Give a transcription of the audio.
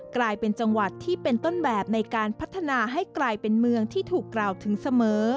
กลายเป็นจังหวัดที่เป็นต้นแบบในการพัฒนาให้กลายเป็นเมืองที่ถูกกล่าวถึงเสมอ